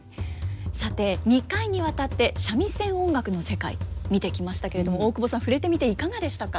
さて２回にわたって三味線音楽の世界見てきましたけれども大久保さん触れてみていかがでしたか。